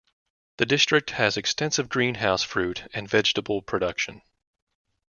The district has extensive greenhouse fruit and vegetable production.